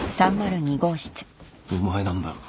お前なんだろ？